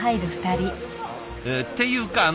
っていうか